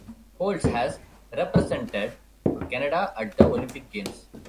Holtz has represented Canada at the Olympic Games.